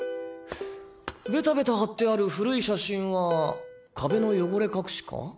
ベタベタ貼ってある古い写真は壁の汚れ隠しか？